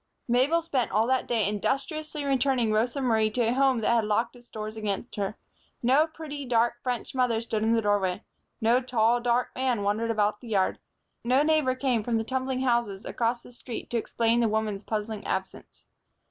Mabel spent all that day industriously returning Rosa Marie to a home that had locked its doors against her. No pretty, dark, French mother stood in the doorway. No tall, dark man wandered about the yard. No neighbor came from the tumbling houses across the street to explain the woman's puzzling absence.